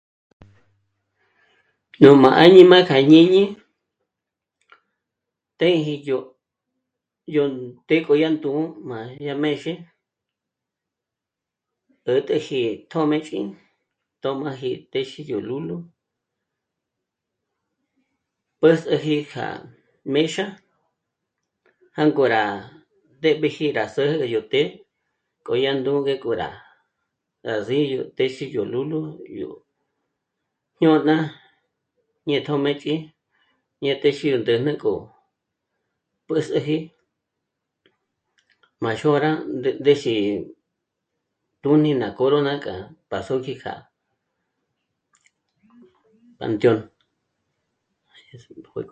Nú má áñima kja jñíñi, tḗjē yó... yó ndék'o yá ndú'u má yá mèzhe, 'ä̀t'äji yó tjö́mëch'i t'ö̌m'aji téxi yó lúlu, pǚs'üji kja méxa jângo rá ndéb'eji rá zä́'ä yó té k'o yá ndǘgü k'o rá zí'i yó téxe yó lúlu yó... jñôna ñe tjö́mëch'i ñé téxi ndä̂jnä k'o pǚs'üji má xôra ndéxi tùn'i ná corona k'a p'as'óji k'a... panteón